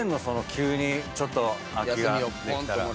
急にちょっと空きができたら。